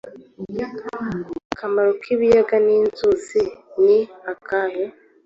Akamaro k’ibiyaga n’inzuzi ni akahe?